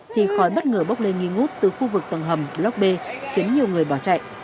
thì khói bất ngờ bốc lên nghi ngút từ khu vực tầng hầm lóc b khiến nhiều người bỏ chạy